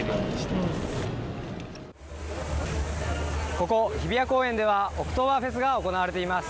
ここ、日比谷公園ではオクトーバーフェストが行われています。